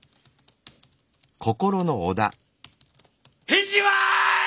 返事は！